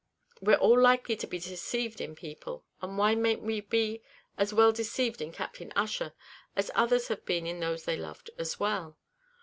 We're all likely to be deceived in people, and why mayn't we be as well deceived in Captain Ussher, as others have been in those they loved as well?